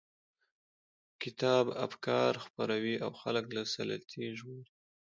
کتاب افکار خپروي او خلک له سلطې ژغوري.